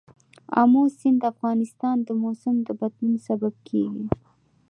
آمو سیند د افغانستان د موسم د بدلون سبب کېږي.